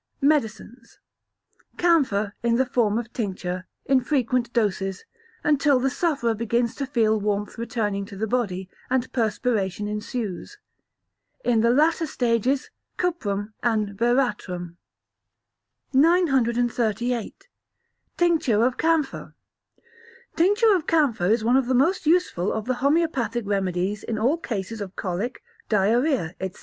Medicines. Camphor, in the form of tincture, in frequent doses, until the sufferer begins to feel warmth returning to the body, and perspiration ensues. In the later stages, Cuprum and Veratrum. 938. Tincture of Camphor Tincture of camphor is one of the most useful of the homoeopathic remedies in all cases of colic, diarrhoea, etc.